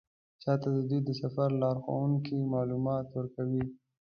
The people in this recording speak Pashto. چا ته د دوی د سفر لارښوونکي معلومات ورکوي.